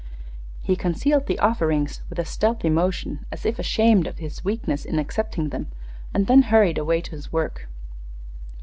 He concealed the offerings with a stealthy motion, as if ashamed of his weakness in accepting them, and then hurried away to his work.